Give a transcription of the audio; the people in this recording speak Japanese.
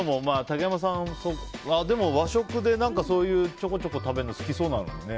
竹山さんはでも、和食でちょこちょこ食べるの好きそうなのにね。